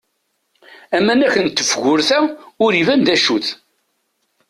Anamek n tefgurt-a ur iban d acu-t.